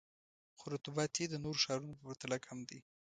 خو رطوبت یې د نورو ښارونو په پرتله کم دی.